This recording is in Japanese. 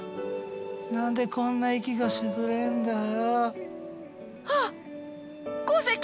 何でこんな息がしづれえんだよう。